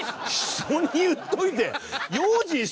人に言っといて。